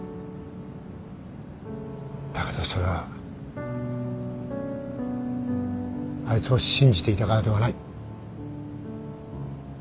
だけどそれはあいつを信じていたからではない。